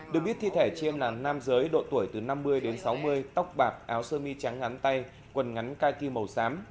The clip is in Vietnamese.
được biết thi thể trên là nam giới độ tuổi từ năm mươi đến sáu mươi tóc bạc áo sơ mi trắng ngắn tay quần ngắn cai tim màu xám